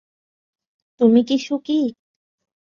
তুমি কি সুখী?